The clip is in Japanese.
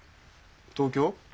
東京？